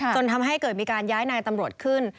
จนทำให้เกิดมีการย้ายนายตำรวจขึ้น